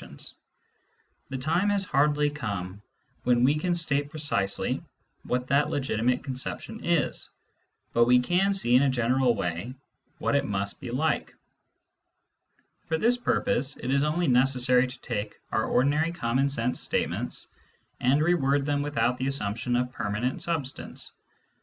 Digitized by Google io6 SCIENTIFIC METHOD IN PHILOSOPHY The time has hardly come when we can state precisely what this legitimate conception is, but we can see in a general way what it must be like. For this purpose, it is only necessary to take our ordinary common sense statements and reword them without the assumption of permanent substance.